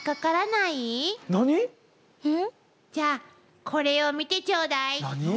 じゃあこれを見てちょうだい。